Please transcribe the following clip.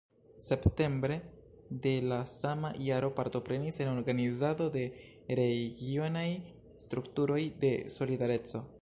Septembre de la sama jaro partoprenis en organizado de regionaj strukturoj de "Solidareco".